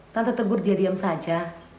tanda tegur dia diam saja